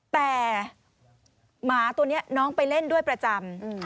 แต่หมาตัวนี้น้องไปเล่นด้วยประจำ